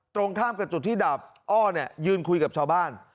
ตรงข้ามกับจุดที่ดาบอ้อยืนคุยกับชาวบ้าน